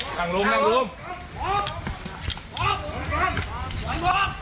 จับมือมา